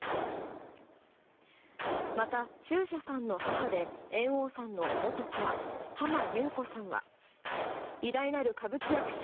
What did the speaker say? また、中車さんの母で猿翁さんの元妻・浜木綿子さんは偉大なる歌舞伎役者